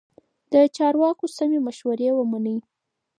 د چارواکو سمې مشورې ومنئ.